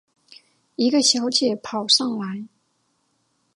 一个小姐跑上来